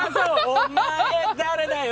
お前誰だよ！